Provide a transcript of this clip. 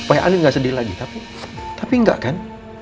supaya andin gak sedih lagi tapi tapi enggak kan